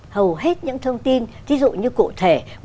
hầu hết những thông tin ví dụ như cụ thể